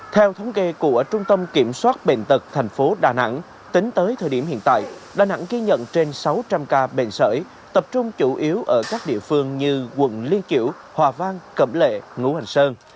theo thống kê của trung tâm kiểm soát bệnh tật tp đà nẵng tính tới thời điểm hiện tại đà nẵng ghi nhận trên sáu trăm linh ca bệnh sởi tập trung chủ yếu ở các địa phương như quận liên kiểu hòa vang cẩm lệ ngũ hành sơn